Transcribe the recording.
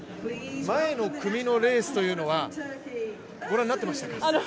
前の組のレースというのは御覧になってましたか？